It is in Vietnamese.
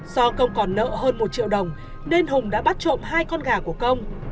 do không còn nợ hơn một triệu đồng nên hùng đã bắt trộm hai con gà của công